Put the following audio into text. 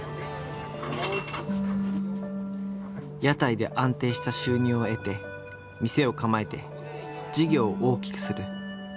屋台で安定した収入を得て店を構えて事業を大きくする。